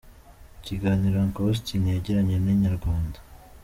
Mu kiganiro Uncle Austin yagiranye na Inyarwanda.